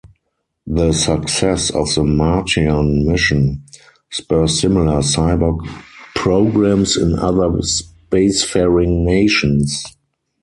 The success of the Martian mission spurs similar cyborg programs in other spacefaring nations.